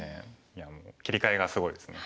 いやもう切り替えがすごいですね。